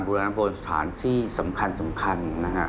บุรุณาโบราณสถานที่สำคัญนะครับ